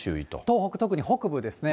東北、特に北部ですね。